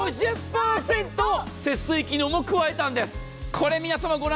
節水機能も加えたんです。